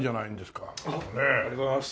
ありがとうございます。